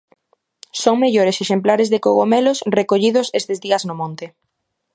Son mellores exemplares de cogomelos recollidos estes días no monte.